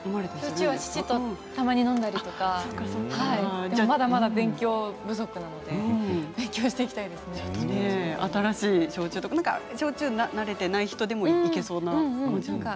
父とたまに飲んだりとかまだまだ勉強不足なので新しい焼酎というか焼酎に慣れていない人でもいけそうですか？